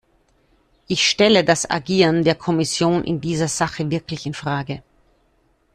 Ich stelle das Agieren der Kommission in dieser Sache wirklich in Frage.